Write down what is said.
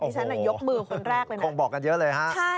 ฉันยกมือคนแรกเลยนะคงบอกกันเยอะเลยฮะ